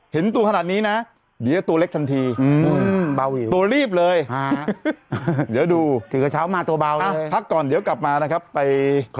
เห็นตัวขนาดนี้ยินดีแล้วตัวเล็กทันที